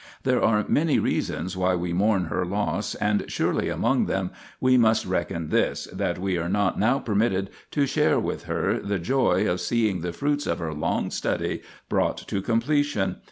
There are many reasons why we mourn her loss, and surely among them we must reckon this, that we are not now permitted to share with her the joy of seeing the fruits of her long study brought to completion.